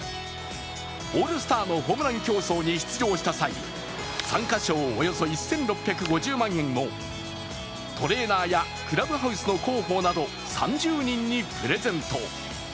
オールスターのホームラン競争に出場した際、参加賞およそ１６５０万円をトレーナーやクラブハウスの広報など３０人にプレゼント。